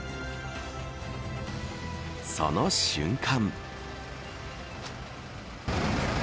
その瞬間。